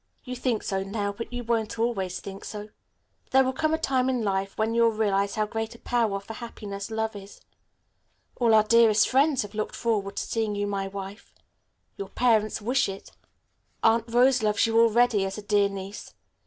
"You think so now, but you won't always think so. There will come a time in your life when you'll realize how great a power for happiness love is. All our dearest friends have looked forward to seeing you my wife. Your parents wish it. Aunt Rose loves you already as a dear niece.